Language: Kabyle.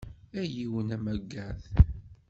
A yiwen amagad!